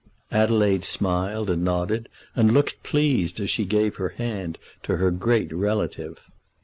Adelaide smiled and nodded, and looked pleased as she gave her hand to her great relative.